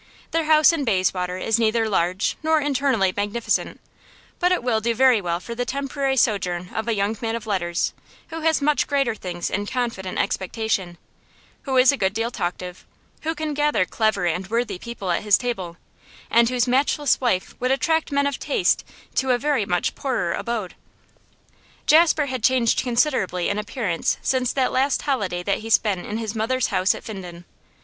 Their house in Bayswater is neither large nor internally magnificent, but it will do very well for the temporary sojourn of a young man of letters who has much greater things in confident expectation, who is a good deal talked of, who can gather clever and worthy people at his table, and whose matchless wife would attract men of taste to a very much poorer abode. Jasper had changed considerably in appearance since that last holiday that he spent in his mother's house at Finden.